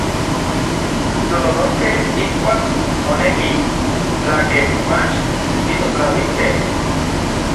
Titlololoskej ijkuak monekis, tlakej mach tisotlauiskej.